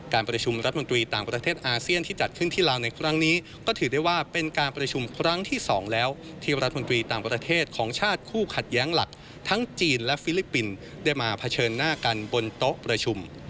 การประชุมรัฐมนตรีต่างประเทศอาเซียนที่จัดขึ้นที่ลาวในครั้งนี้ก็ถือได้ว่าเป็นการประชุมครั้งที่๒แล้วที่รัฐมนตรีต่างประเทศของชาติคู่ขัดแย้งหลักทั้งจีนและฟิลิปปินส์ได้มาเผชิญหน้ากันบนโต๊ะประชุม